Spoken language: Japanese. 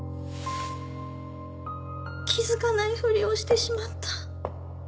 気付かないふりをしてしまった。